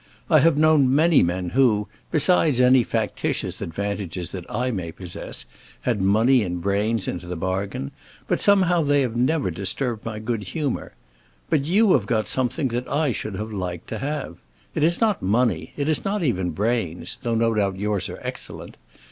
I have known many men who, besides any factitious advantages that I may possess, had money and brains into the bargain; but somehow they have never disturbed my good humor. But you have got something that I should have liked to have. It is not money, it is not even brains—though no doubt yours are excellent.